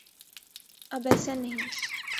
اب ایسا نہیں۔